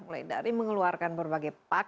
mulai dari mengeluarkan berbagai pak